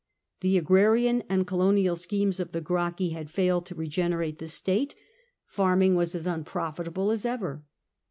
The agrarian and colonial schemes of the Gracchi had failed to regene rate the state — farming was as unprofitable as ever.